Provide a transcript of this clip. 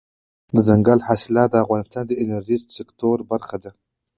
دځنګل حاصلات د افغانستان د انرژۍ سکتور برخه ده.